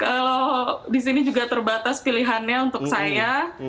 kalau di sini juga terbatas pilihannya untuk saya